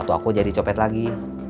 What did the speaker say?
waktu aku jadi copet lagi